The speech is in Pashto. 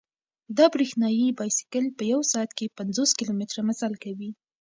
دا برېښنايي بایسکل په یوه ساعت کې پنځوس کیلومتره مزل کوي.